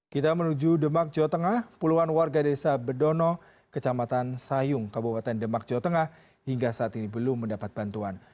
kita menuju demak jawa tengah puluhan warga desa bedono kecamatan sayung kabupaten demak jawa tengah hingga saat ini belum mendapat bantuan